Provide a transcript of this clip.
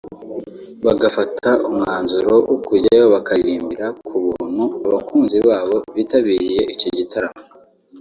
bagafata umwanzuro wo kujyayo bakaririmbira ku buntu abakunzi babo bitabiriye icyo gitaramo